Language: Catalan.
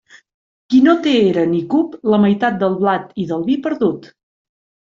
Qui no té era ni cup, la meitat del blat i del vi perdut.